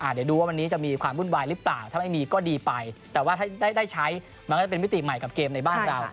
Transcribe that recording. เดี๋ยวดูว่าวันนี้จะมีความวุ่นวายหรือเปล่าถ้าไม่มีก็ดีไปแต่ว่าถ้าได้ใช้มันก็จะเป็นมิติใหม่กับเกมในบ้านเรา